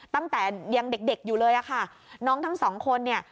ตั้งแต่ยังเด็กเด็กอยู่เลยอะค่ะน้องทั้งสองคนเนี่ย